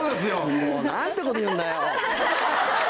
もう何てこと言うんだよ。